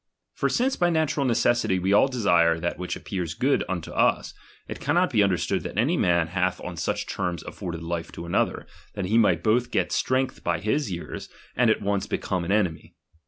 For since by natural necessity we all desire that which appears good unto us, it cannot be understood that any man hath on such terms afforded Hfe to another, that he might both get strength by his years, and at once become an enemy.